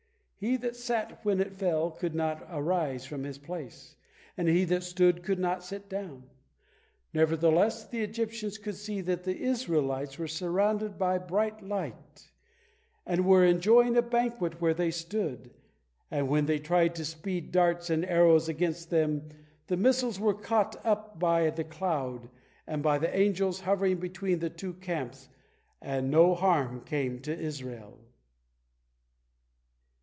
He that sat when it fell could not arise from his place, and he that stood could not sit down. Nevertheless, the Egyptians could see that the Israelites were surrounded by bright light, and were enjoying a banquet where they stood, and when they tried to speed darts and arrows against them, the missiles were caught up by the cloud and by the angels hovering between the two camps, and no harm came to Israel.